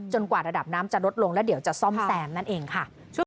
กว่าระดับน้ำจะลดลงแล้วเดี๋ยวจะซ่อมแซมนั่นเองค่ะ